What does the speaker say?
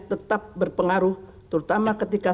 tetap berpengaruh terutama ketika